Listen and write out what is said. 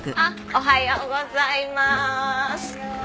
おはようございます。